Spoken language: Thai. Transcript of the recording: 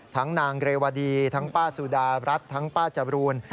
นางเรวดีทั้งป้าสุดารัฐทั้งป้าจบรูน